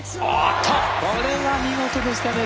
これは見事でしたね